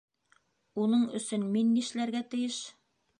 Уның өсөн мин нишләргә тейеш?